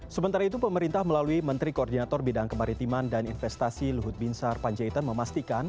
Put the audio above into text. sementara itu pemerintah melalui menteri koordinator bidang kemaritiman dan investasi luhut binsar panjaitan memastikan